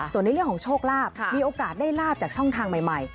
ส่วนในเรื่องของโชคลาภมีโอกาสได้ลาบจากช่องทางใหม่